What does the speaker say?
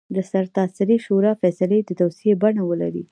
د سرتاسري شورا فیصلې د توصیې بڼه ولري.